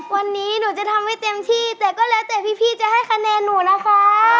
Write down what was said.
วันนี้หนูจะทำให้เต็มที่แต่ก็แล้วแต่พี่จะให้คะแนนหนูนะคะ